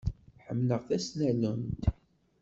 Ḥemmleɣ tasnallunt.